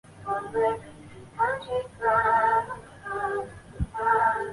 奉圣都虞候王景以所部投降石敬瑭。